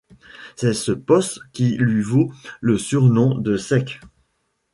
C'est ce poste qui lui vaut le surnom de Sec.